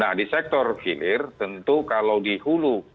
nah di sektor filir tentu kalau di hulu bisa dikendalikan